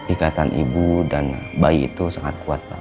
ikatan ibu dan bayi itu sangat kuat pak